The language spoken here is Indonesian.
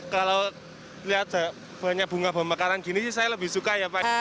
kalau lihat banyak bunga bunga karan gini sih saya lebih suka ya pak